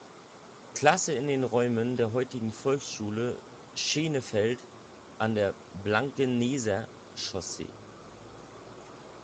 Klasse in den Räumen der heutigen Volkshochschule Schenefeld an der Blankeneser Chaussee.